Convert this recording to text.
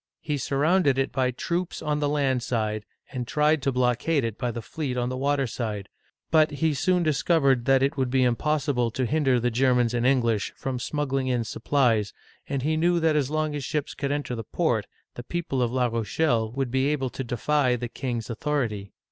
He surrounded it by troops on the land side, and tried to blockade it by the fleet on the water side ; but he soon discovered that it would be impossible to hinder the Germans and English from smuggling in supplies, and he knew that as long as ships could enter the port the people of La Rochelle would be able to defy the king's authority.